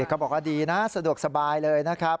ก็บอกว่าดีนะสะดวกสบายเลยนะครับ